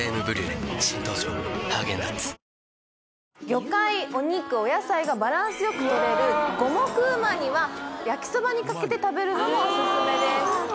魚介お肉お野菜がバランスよくとれる五目旨煮は焼きそばにかけて食べるのもオススメです